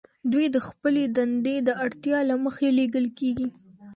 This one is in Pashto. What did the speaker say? دوی د خپلې دندې د اړتیا له مخې لیږل کیږي